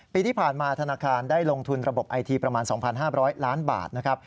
ปีที่ผ่านมาธนาคารได้ลงทุนระบบไอทีประมาณ๒๕๐๐ล้านบาทนะครับ